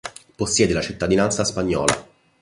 Possiede la cittadinanza spagnola.